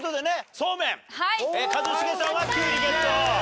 そうめん一茂さんはキュウリゲット！